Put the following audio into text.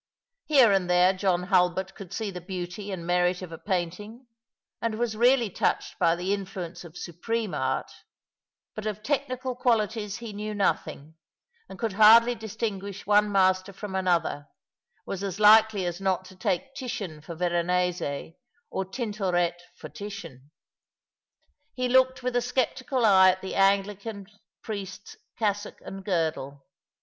Here and there John Hulbert could see the beauty and merit of a painting, and was really touched by the influence of supreme art ; but of technical qualities he knew nothing, and could hardly dis tinguish one master from another, was as likely as not to take Titian for Veronese, or Tintoret for Titian. He looked with a sceptical eye at the Anglican priest's cassock and girdle.